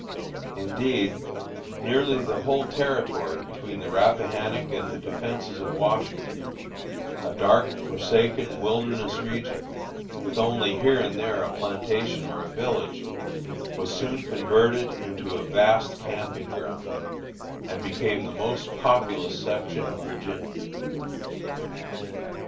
Indeed, nearly the whole territory between the Rappahannock and the Defences of Washington, a dark, forsaken, wilderness region, with only here and there a plantation or a village, was soon converted into a vast camping ground, and became the most populous section of Virginia.